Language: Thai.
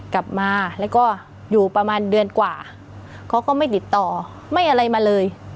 กลับมาแล้วก็อยู่ประมาณเดือนกว่าเขาก็ไม่ติดต่อไม่อะไรมาเลย